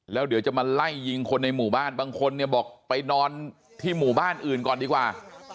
แล้วเดี๋ยวจะมาไล่ยิงคนในหมู่บ้านบางคนเนี่ยบอกไปนอนที่หมู่บ้านอื่นก่อนดีกว่า